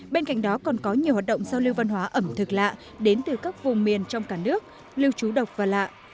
bên cạnh đó còn có nhiều hoạt động giao lưu văn hóa ẩm thực lạ đến từ các vùng miền trong cả nước lưu trú độc và lạ